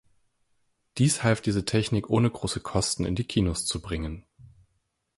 Dies half diese Technik ohne große Kosten in die Kinos zu bringen.